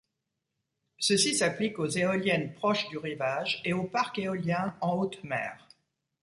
Ceci s'applique aux éoliennes proches du rivage et aux parcs éoliens en haute mer.